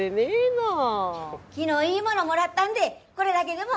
昨日いいものもらったんでこれだけでも。